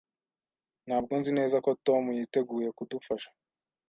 Ntabwo nzi neza ko Tom yiteguye kudufasha.